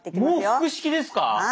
もう腹式ですか？